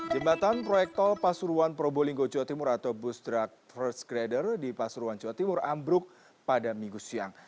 jembatan proyek tol pasuruan probolinggo jawa timur atau bus drug first grader di pasuruan jawa timur ambruk pada minggu siang